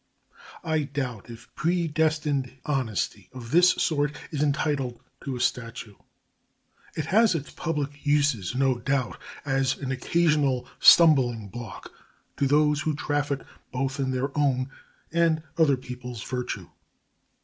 I doubt if predestined honesty of this sort is entitled to a statue. It has its public uses, no doubt, as an occasional stumbling block to those who traffic both in their own and other people's virtue.